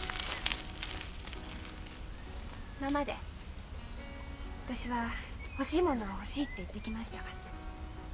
今まで私は欲しいものは欲しいって言ってきました。